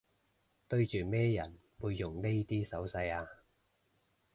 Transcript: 對住咩人會用呢啲手勢吖